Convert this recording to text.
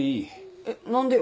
えっ何でよ。